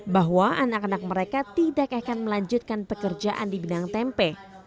bahwa anak anak mereka tidak akan melanjutkan pekerjaan di bidang tempe